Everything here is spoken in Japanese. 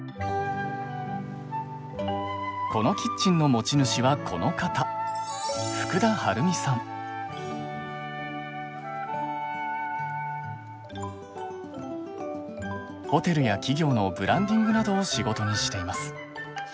このキッチンの持ち主はこの方ホテルや企業のブランディングなどを仕事にしています。